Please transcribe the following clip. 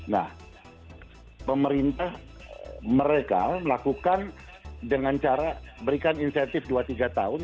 nah pemerintah mereka melakukan dengan cara berikan insentif dua tiga tahun